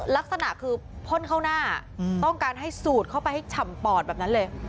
ลักษณะคือพ่นเข้าหน้าต้องการให้สูดเข้าไปให้ฉ่ำปอดแบบนั้นเลย